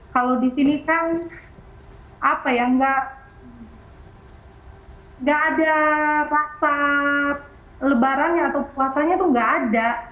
kalau di sini kan apa ya nggak ada pasar lebarannya atau puasanya tuh nggak ada